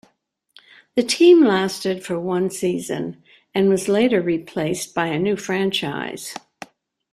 The team lasted for one season and was later replaced by a new franchise.